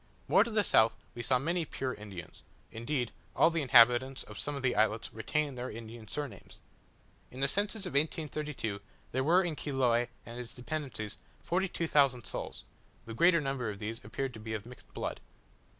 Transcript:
More to the south we saw many pure Indians: indeed, all the inhabitants of some of the islets retain their Indian surnames. In the census of 1832, there were in Chiloe and its dependencies forty two thousand souls; the greater number of these appear to be of mixed blood.